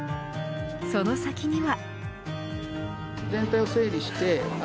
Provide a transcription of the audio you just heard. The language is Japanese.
その先には。